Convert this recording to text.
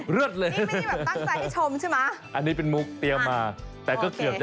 ร้อนเลยสวัสดีครับ